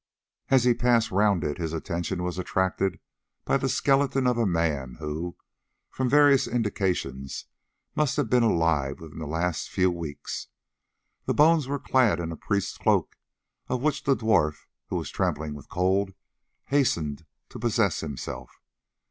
As he passed round it his attention was attracted by the skeleton of a man who, from various indications, must have been alive within the last few weeks. The bones were clad in a priest's cloak, of which the dwarf, who was trembling with cold, hastened to possess himself.